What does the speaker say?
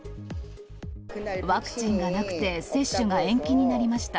ワクチンがなくて、接種が延期になりました。